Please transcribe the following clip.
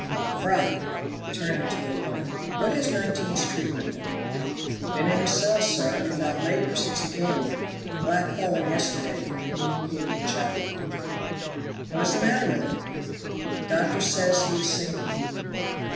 Fry" (turning to a warder), "what has 19's treatment been?" "Been in his cell, sir, without labor since he came. Blackhole yesterday, for communicating in chapel." "What is the matter with him?" "Doctor says he is sinking."